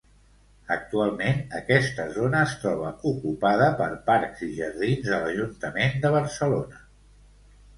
Actualment, aquesta zona es troba ocupada per Parcs i Jardins de l'ajuntament de Barcelona.